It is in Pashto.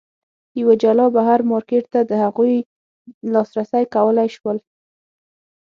یوه جلا بهر مارکېټ ته د هغوی لاسرسی کولای شول.